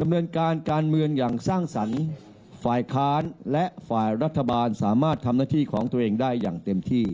ดำเนินการการเมืองอย่างสร้างสรรค์ฝ่ายค้านและฝ่ายรัฐบาลสามารถทำหน้าที่ของตัวเองได้อย่างเต็มที่